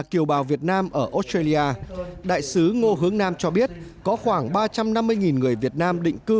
kiều bào việt nam ở australia đại sứ ngô hướng nam cho biết có khoảng ba trăm năm mươi người việt nam định cư